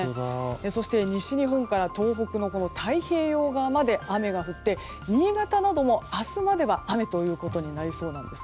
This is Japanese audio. そして、西日本から東北の太平洋側まで雨が降って新潟なども明日までは雨となりそうなんです。